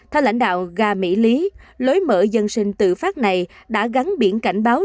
theo lãnh đạo ga mỹ lý lối mở dân sinh tự phát này đã gắn biển cảnh báo